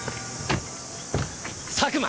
佐久間！